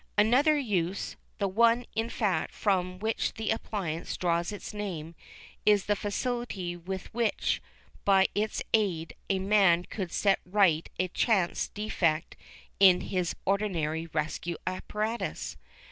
Another use, the one, in fact, from which the appliance draws its name, is the facility with which, by its aid, a man could set right a chance defect in his ordinary rescue apparatus.